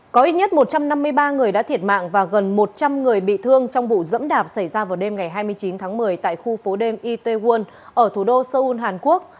có ít nhất một trăm năm mươi ba người đã thiệt mạng và gần một trăm linh người bị thương trong vụ dẫm đạp xảy ra vào đêm ngày hai mươi chín tháng một mươi tại khu phố đêm itaewon ở thủ đô seoul hàn quốc